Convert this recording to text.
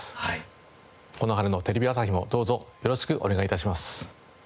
この春のテレビ朝日もどうぞよろしくお願い致します。